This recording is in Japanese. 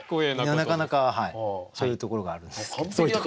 なかなかそういうところがある。